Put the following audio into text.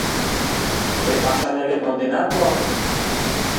Тый паша нерген монденат мо?